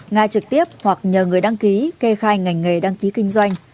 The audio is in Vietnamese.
nga trực tiếp hoặc nhờ người đăng ký kê khai ngành nghề đăng ký kinh doanh